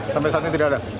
sampai saat ini tidak ada